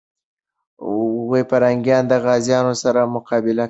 پرنګیان د غازيانو سره مقابله کوي.